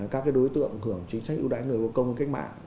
các đối tượng hưởng chính sách ưu đãi người vô công và cách mạng